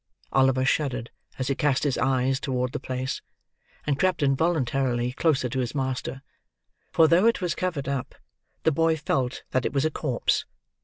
Oliver shuddered as he cast his eyes toward the place, and crept involuntarily closer to his master; for though it was covered up, the boy felt that it was a corpse.